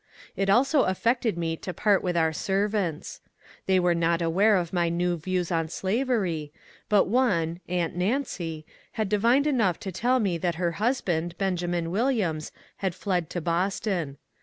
It also affected me to part with our servants. They were not aware of my new views on slavery, but one, '* aunt Nancy," had divined enough to tell me that her husband, Benjamin Williams, had fled to Boston.